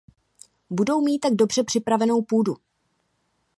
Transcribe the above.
Budou mít tak dobře připravenou půdu.